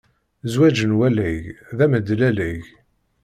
Zzwaǧ n walag d amedlalag.